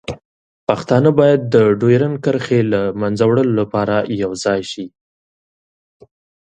پښتانه باید د ډیورنډ کرښې له منځه وړلو لپاره یوځای شي.